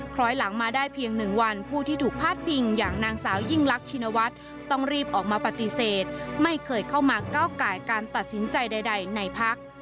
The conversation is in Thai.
ร้อยหลังมาได้เพียง๑วันผู้ที่ถูกพาดพิงอย่างนางสาวยิ่งลักชินวัฒน์ต้องรีบออกมาปฏิเสธไม่เคยเข้ามาก้าวไก่การตัดสินใจใดในพัก